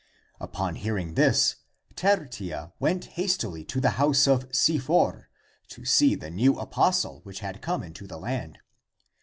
Upon hearing this, Ter tia went hastily to the house of Sifor to see the new apostle which had come into the land.